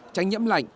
tránh nhiễm lạnh